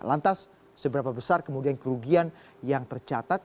lantas seberapa besar kemudian kerugian yang tercatat